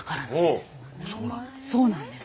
そうなんです。